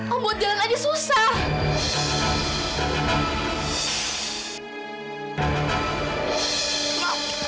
kok buat jalan aja susah